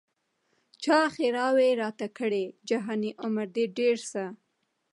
چا ښرا وه راته کړې جهاني عمر دي ډېر سه